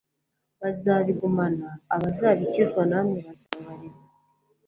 bazabigumana, abazabikizwa namwe bazababarirwa